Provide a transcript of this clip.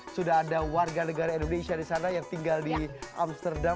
sudah ada warga negara indonesia di sana yang tinggal di amsterdam